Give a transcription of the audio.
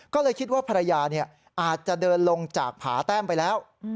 ก็เลยคิดว่าภรรยาอาจจะเดินลงจากผาแต้มไปแล้ว